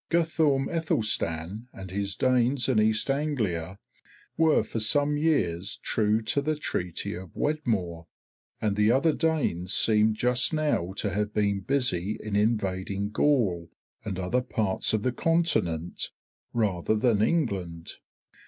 Guthorm Aethelstan and his Danes in East Anglia were for some years true to the treaty of Wedmore, and the other Danes seem just now to have been busy in invading Gaul and other parts of the continent rather than England.